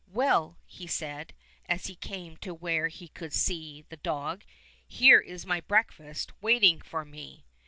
" Well," he said, as he came to where he could see the dog, "here is my breakfast waiting for me."